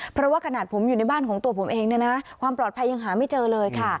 เพราะว่าขนาดผมอยู่ในบ้านของตัวผมเองเนี่ยนะความปลอดภัยยังหาไม่เจอเลยค่ะ